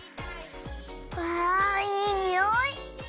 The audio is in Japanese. わあいいにおい！